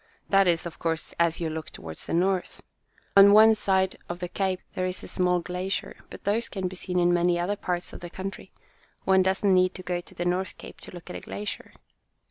That is, of course, as you look toward the north. On one side of the cape there is a small glacier, but those can be seen in many other parts of the country. One doesn't need to go to the North Cape to look at a glacier."